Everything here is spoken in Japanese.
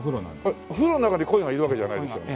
えっお風呂の中に鯉がいるわけじゃないですよね？